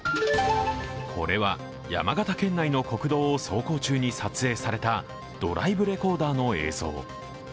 これは山形県内の国道を走行中に撮影されたドライブレコーダー子の映像。